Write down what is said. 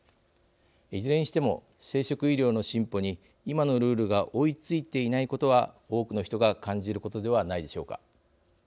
いずれにしても生殖医療の進歩に今のルールが追いついていないことは多くの人が感じることではないでしょうか。